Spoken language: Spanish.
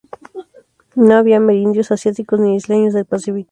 No había amerindios, asiáticos ni isleños del Pacífico.